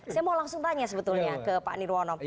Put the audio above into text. saya mau langsung tanya sebetulnya ke pak nirwono